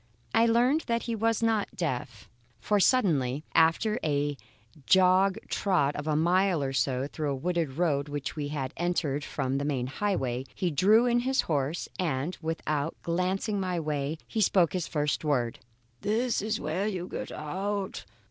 I soon learned that he was not deaf; for suddenly, after a jog trot of a mile or so through a wooded road which we had entered from the main highway, he drew in his horse, and, without glancing my way, spoke his first word: "This is where you get out.